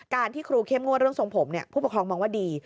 ที่ครูเข้มงวดเรื่องทรงผมผู้ปกครองมองว่าดี